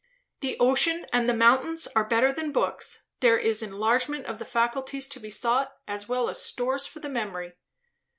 The ocean and the mountains are better than books. There is enlargement of the faculties to be sought, as well as stores for the memory."